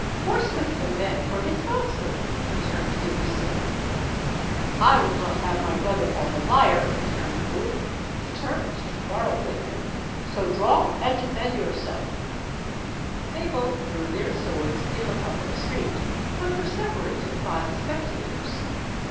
"Horsewhip him, then, for his falsehood," returned De Bussy. "I will not have my brother called, a liar," returned Bruc, determined to quarrel with him; "so draw, and defend yourself!" They both drew their swords in the public street, but were separated by the spectators.